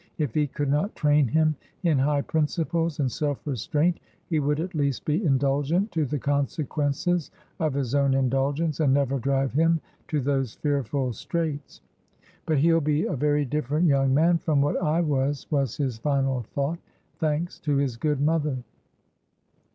If he could not train him in high principles and self restraint, he would at least be indulgent to the consequences of his own indulgence, and never drive him to those fearful straits. "But he'll be a very different young man from what I was," was his final thought. "Thanks to his good mother."